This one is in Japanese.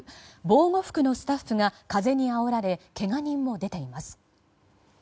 防護服のスタッフが風にあおられけが人も出ています。